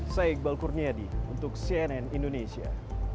saya iqbal kurniadi untuk cnn indonesia